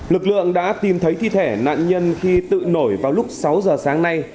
lực lượng đã tìm thấy thi thể nạn nhân khi tự nổi vào lúc sáu giờ sáng nay